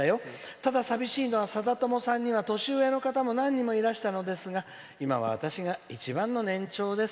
たださびしいのはさだ友さんは年配の方何人もいらしたのですが今は、私が一番の年長です。